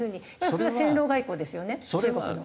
それは戦狼外交ですよね中国の。